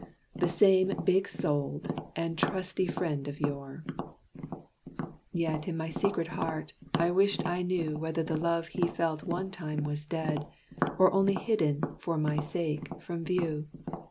The same big souled and trusty friend of yore. Yet, in my secret heart, I wished I knew Whether the love he felt one time was dead, Or only hidden, for my sake, from view.